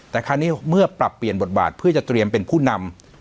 แต่คราวนี้เมื่อปรับเปลี่ยนบทบาทเพื่อจะเตรียมเป็นผู้นำ